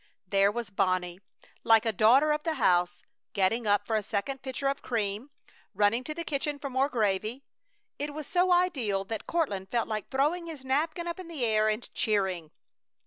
There was Bonnie, like a daughter of the house, getting up for a second pitcher of cream, running to the kitchen for more gravy. It was so ideal that Courtland felt like throwing his napkin up in the air and cheering.